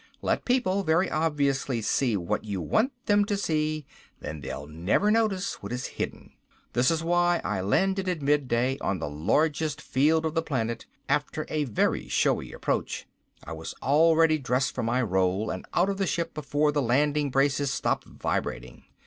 Let people very obviously see what you want them to see, then they'll never notice what is hidden. This was why I landed at midday, on the largest field on the planet, after a very showy approach. I was already dressed for my role, and out of the ship before the landing braces stopped vibrating.